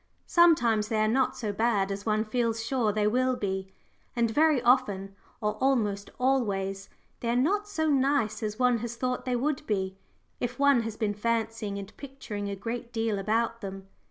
Sometimes they are not so bad as one feels sure they will be and very often, or almost always, they are not so nice as one has thought they would be, if one has been fancying and picturing a great deal about them.